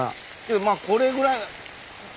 まあこれぐらい。